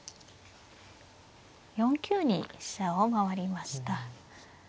４九に飛車を回りました。